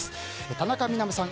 田中みな実さん